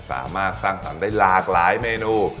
สามารถสร้างสรรค์ได้หลากหลายเมนู